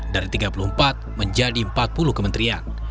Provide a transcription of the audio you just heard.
dari tiga puluh empat menjadi empat puluh kementerian